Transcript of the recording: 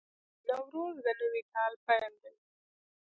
نوروز د نوي کال پیل دی.